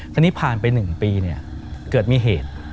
คนนี้ผ่านไปหนึ่งปีเกิดมีเหตุ